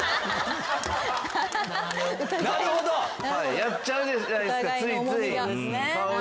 やっちゃうじゃないですかついつい顔をしかめたり。